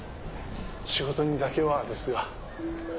「仕事にだけは」ですが。